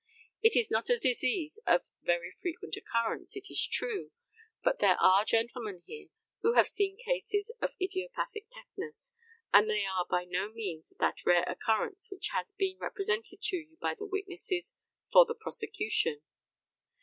It is not a disease of very frequent occurrence, it is true; but there are gentlemen here who have seen cases of idiopathic tetanus, and they are by no means of that rare occurrence which has been represented to you by the witnesses for the prosecution.